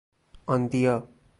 آندیا